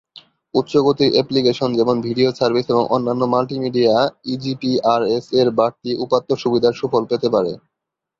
উচ্চগতির application যেমন video service এবং অন্যান্য মাল্টিমিডিয়া ইজিপিআরএস-এর বাড়তি উপাত্ত সুবিধার সুফল পেতে পারে।